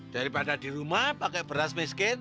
daripada di rumah pakai beras miskin